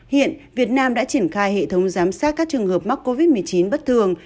hiện việt nam đã triển khai hệ thống giám sát các trường hợp mắc covid một mươi chín bất thường